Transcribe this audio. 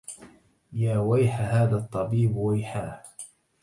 يا ويح هذا الطبيب ويحاه